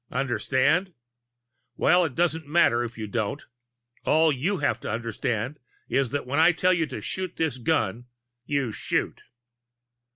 Understand? Well, it doesn't matter if you don't. All you have to understand is that when I tell you to shoot this gun, you shoot."